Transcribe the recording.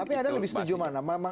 tapi ada yang lebih setuju mana